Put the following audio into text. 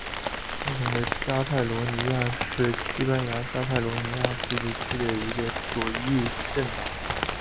共同的加泰罗尼亚是西班牙加泰罗尼亚自治区的一个左翼政党。